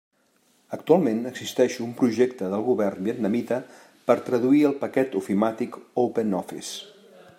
Actualment existeix un projecte del Govern vietnamita per traduir el paquet ofimàtic OpenOffice.